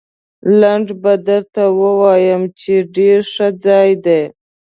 لنډ به درته ووایم، چې ډېر ښه ځای دی.